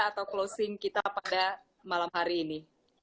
atau closing kita pada malam hari ini